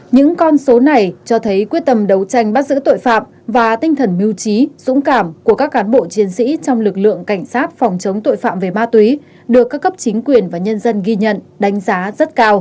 những con số này cho thấy quyết tâm đấu tranh bắt giữ tội phạm và tinh thần mưu trí dũng cảm của các cán bộ chiến sĩ trong lực lượng cảnh sát phòng chống tội phạm về ma túy được các cấp chính quyền và nhân dân ghi nhận đánh giá rất cao